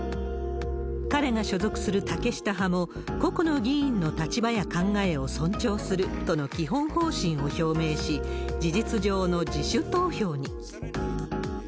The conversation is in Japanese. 彼が所属する竹下派も、個々の議員の立場や考えを尊重するとの基本方針を表明し、事実上の自主投票に。